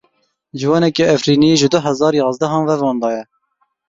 Ciwanekî Efrînî ji du hezar yazdehan ve wenda ye.